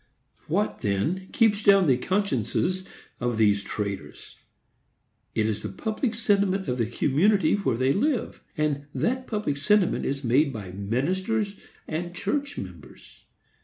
What, then, keeps down the consciences of these traders? It is the public sentiment of the community where they live; and that public sentiment is made by ministers and church members.